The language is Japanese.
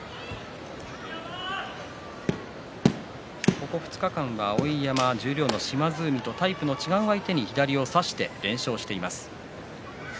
ここ２日間は碧山、十両島津海とタイプの違う相手に左を差して連勝しています。